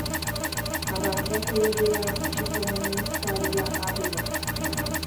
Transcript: Abantu bakuyegera kifo mu munisipaali ya Arua.